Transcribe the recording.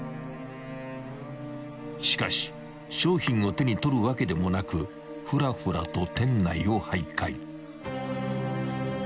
［しかし商品を手に取るわけでもなくふらふらと店内を徘徊］